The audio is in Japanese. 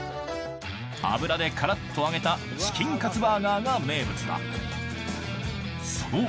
油でからっと揚げたチキンカツバーガーが名物だ。